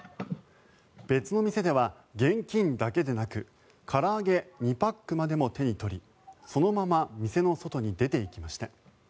別の店では現金だけでなくから揚げ２パックまでも手に取りそのまま店の外に出ていきました。